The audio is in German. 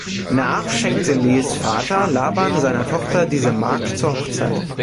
Nach schenkte Leas Vater Laban seiner Tochter diese Magd zur Hochzeit.